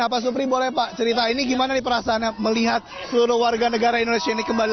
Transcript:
nah pak supri boleh pak cerita ini gimana nih perasaannya melihat seluruh warga negara indonesia ini kembali